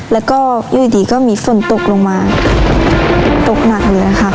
แล้วก็อยู่ดีก็มีฝนตกลงมาตกหนักเลยค่ะ